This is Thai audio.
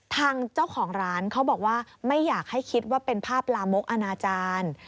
ทางเจ้าของร้านเขาบอกว่าไม่อยากให้คิดว่าเป็นภาพลามกอนาจารย์